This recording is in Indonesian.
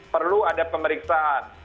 perlu ada pemeriksaan